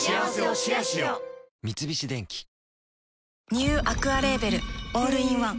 ニューアクアレーベルオールインワン